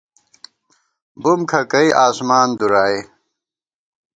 بُم کھکَئ آسمان دُرائے